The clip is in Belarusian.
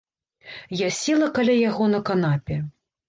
Я села каля яго на канапе.